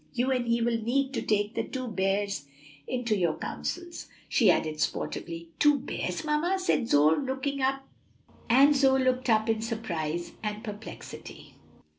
You and he will need to take the two bears into your counsels," she added sportively. "Two bears, mamma?" and Zoe looked up in surprise and perplexity.